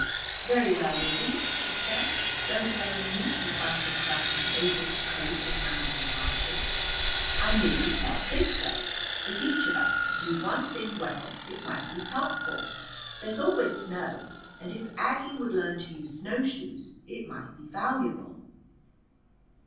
"Very well, Lizzie," she said. "Don't blame me if you find yourself unable to cope with mountain hardships. I merely felt this way: if each of us could do one thing well it might be helpful. There's always snow, and if Aggie would learn to use snowshoes it might be valuable."